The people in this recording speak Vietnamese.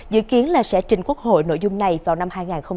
dự kiến sẽ trình quốc hội nội dung này vào năm hai nghìn hai mươi bốn